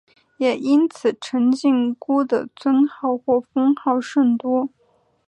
也因此陈靖姑的尊称或封号甚多。